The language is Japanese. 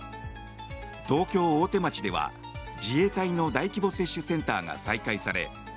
東京・大手町では、自衛隊の大規模接種センターが再開され